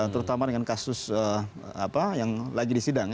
terutama dengan kasus apa yang lagi disidang ya